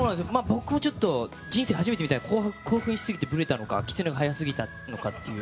僕も人生初めて見たので興奮しすぎて、ぶれたのかキツネが速すぎたのか。